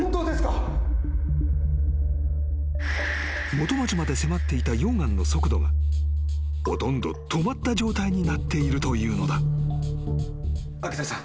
［元町まで迫っていた溶岩の速度がほとんど止まった状態になっているというのだ］